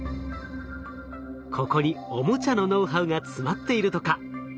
ここにオモチャのノウハウが詰まっているとか。